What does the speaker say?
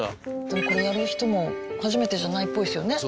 でもこれやる人も初めてじゃないっぽいですよね。